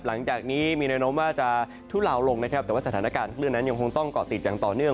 หลังจากนี้มีแนวโน้มว่าจะทุเลาลงนะครับแต่ว่าสถานการณ์คลื่นนั้นยังคงต้องเกาะติดอย่างต่อเนื่อง